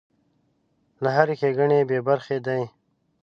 له هرې ښېګڼې بې برخې دی.